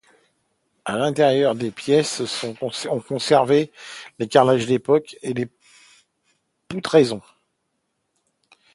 À l'intérieur, des pièces ont conservé les carrelages d'époque et les poutraisons.